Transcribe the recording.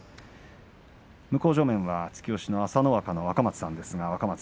向正面は、突き押しの朝乃若の若松さんです。